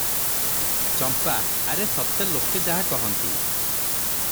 ଚମ୍ପା - ଆରେ, ସତେ ଲୋକେ ଯାହା କହନ୍ତି